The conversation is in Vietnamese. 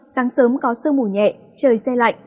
sáng sớm có sương mù nhẹ trời xe lạnh